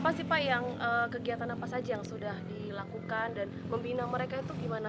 apa sih pak yang kegiatan apa saja yang sudah dilakukan dan membina mereka itu gimana